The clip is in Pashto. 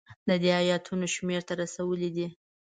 د دې ایتونو شمېر ته رسولی دی.